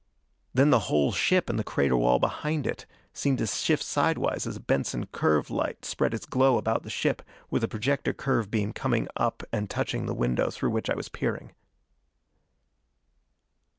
Then the whole ship and the crater wall behind it seemed to shift sidewise as a Benson curve light spread its glow about the ship, with a projector curve beam coming up and touching the window through which I was peering.